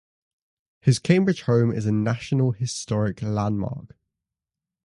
His Cambridge home is a National Historic Landmark.